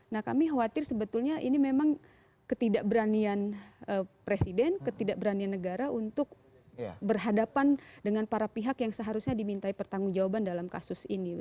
nah kami khawatir sebetulnya ini memang ketidakberanian presiden ketidakberanian negara untuk berhadapan dengan para pihak yang seharusnya dimintai pertanggung jawaban dalam kasus ini